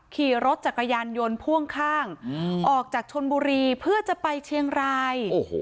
ขี่รถจักรยานยนต์พ่วงข้างออกจากชนบุรีเพื่อจะไปเชียงราย